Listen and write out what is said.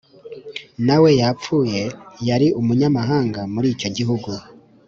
na we, yapfuye, yari umunyamahanga muri icyo gihugu